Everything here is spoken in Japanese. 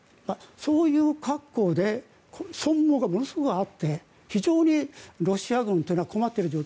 そういう格好で損耗がものすごくあって非常にロシア軍というのは困っている状況。